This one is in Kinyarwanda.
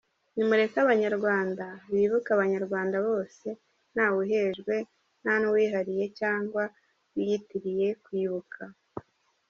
Nimureke abanyarwanda bibuke abanyarwanda bose ntawe uhejwe nta n’uwihariye cyangwa wiyitiriye kwibuka..